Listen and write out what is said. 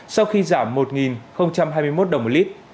sau khi giảm một hai mươi một đồng một lít